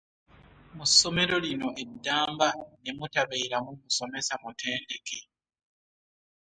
Mu ssomero lino eddamba ne mutabeeramu musomesa mutendeke!